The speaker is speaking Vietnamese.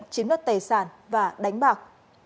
chiếm đất tài sản và đánh bạc